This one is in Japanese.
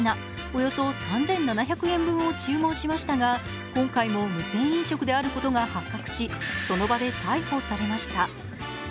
およそ３７００円分を注文しましたが今回も無銭飲食であることが発覚しその場で逮捕されました。